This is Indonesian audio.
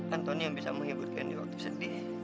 antonia yang bisa menghibur candy waktu sedih